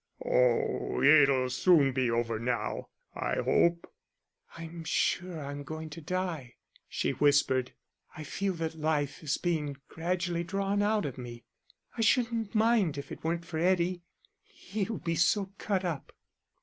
"Oh, it'll soon be over now, I hope." "I'm sure I'm going to die," she whispered; "I feel that life is being gradually drawn out of me I shouldn't mind if it weren't for Eddie. He'll be so cut up."